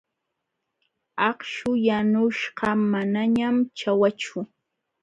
Akśhu yanuśhqa manañan ćhawachu.